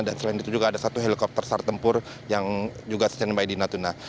dan selain itu juga ada satu helikopter sartempur yang juga standby di natuna